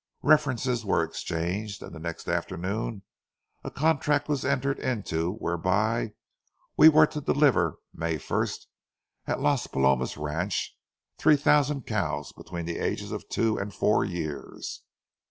References were exchanged, and the next afternoon a contract was entered into whereby we were to deliver, May first, at Las Palomas ranch, three thousand cows between the ages of two and four years.